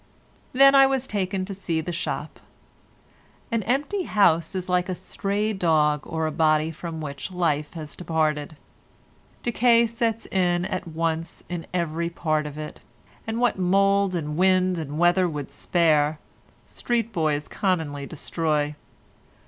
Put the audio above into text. Then I was taken to see the shop. An empty house is like a stray dog or a body from which life has departed. Decay sets in at once in every part of it, and what mould and wind and weather would spare, street boys commonly destroy.